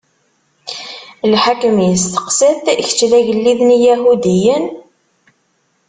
Lḥakem isteqsa-t: Kečč, d agellid n Iyahudiyen?